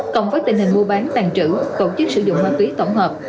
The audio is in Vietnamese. cộng với tình hình mua bán tàn trữ tổ chức sử dụng ma túy tổng hợp